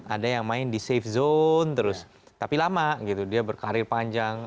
ada yang main di safe zone terus tapi lama gitu dia berkarir panjang